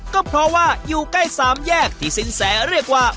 ก็เพราะว่าอยู่ใกล้สามแยกที่สินแสเรียกว่า